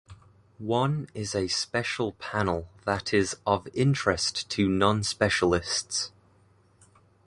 One is a special panel that is of interest to non-specialists.